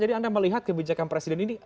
jadi anda melihat kebijakan presiden ini